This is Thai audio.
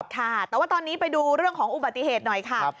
ค่ะแต่ว่าตอนนี้ไปดูเรื่องของอุบัติเหตุหน่อยค่ะ